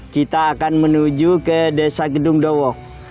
kita akan menuju ke desa gedung dowo